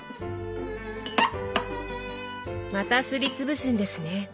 またすりつぶすんですね。